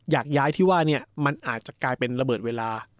อยากย้ายที่ว่าเนี่ยมันอาจจะกลายเป็นระเบิดเวลา